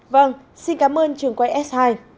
vâng xin cảm ơn trường quay s hai